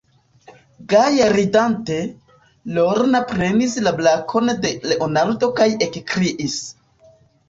Gaje ridante, Lorna prenis la brakon de Leonardo kaj ekkriis: